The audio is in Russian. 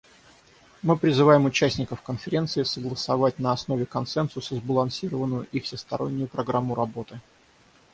Мы призываем участников Конференции согласовать на основе консенсуса сбалансированную и всестороннюю программу работы.